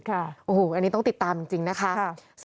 อันนี้ต้องติดตามจริงนะคะ